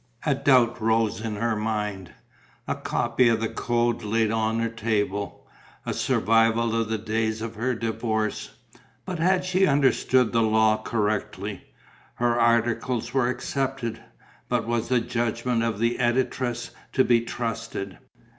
A doubt rose in her mind. A copy of the code lay on her table, a survival of the days of her divorce; but had she understood the law correctly? Her article was accepted; but was the judgement of the editress to be trusted?